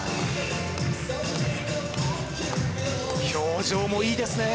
表情もいいですね